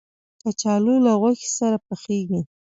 کچالو له غوښې سره پخېږي